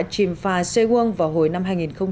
trìm phà sê guông vào hồi năm hai nghìn một mươi bốn